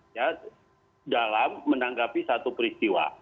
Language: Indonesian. ya dalam menanggapi satu peristiwa